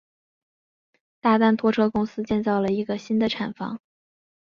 大丹拖车公司建造了一个新的厂房。